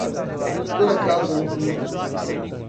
Toda casa é um mundo.